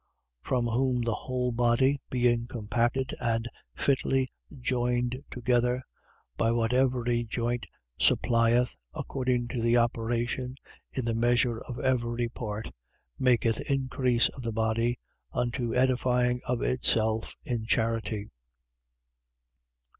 From whom the whole body, being compacted and fitly joined together, by what every joint supplieth, according to the operation in the measure of every part, maketh increase of the body, unto the edifying of itself in charity.